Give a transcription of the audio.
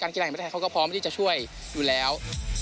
การกีฬาอย่างแบบนี้เค้าก็พร้อมที่จะช่วยอยู่แล้ว